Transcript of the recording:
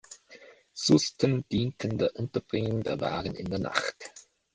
Susten dienten der Unterbringung der Waren in der Nacht.